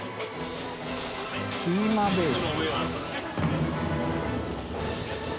キーマベース」